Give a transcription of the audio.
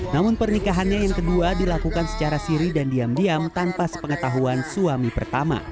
namun pernikahannya yang kedua dilakukan secara siri dan diam diam tanpa sepengetahuan suami pertama